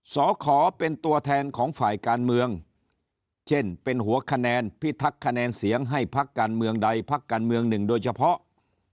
ขอเป็นตัวแทนของฝ่ายการเมืองเช่นเป็นหัวคะแนนพิทักษ์คะแนนเสียงให้พักการเมืองใดพักการเมืองหนึ่งโดยเฉพาะ